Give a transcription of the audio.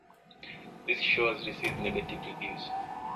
The show has received negative reviews.